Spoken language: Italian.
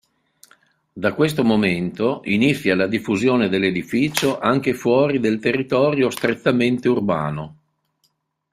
Da questo momento inizia la diffusione dell'edificio anche fuori del territorio strettamente urbano.